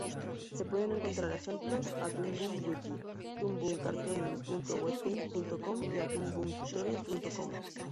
Se pueden encontrar ejemplos a Toon Boom Wiki toonboomcartooning.wetpaint.com y a Toonboomtutorials.com.